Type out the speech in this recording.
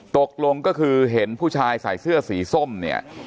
ตกลงก็คือเห็นผู้ชายใส่เสื้อสีส้มเนี่ย